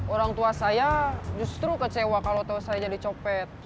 orang tua saya justru kecewa kalau saya jadi copet